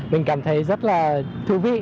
mình cảm thấy rất là thú vị